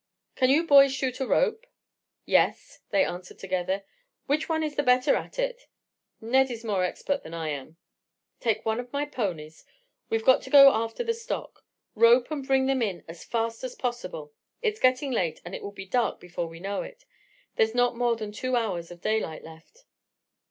"Can you boys shoot a rope?" "Yes," they answered together. "Which one is the better at it?" "Ned is more expert than I am." "Take one of my ponies. We've got to go after the stock. Rope and bring them in as fast as possible. It's getting late, and it will be dark before we know it. There's not more than two hours of daylight left."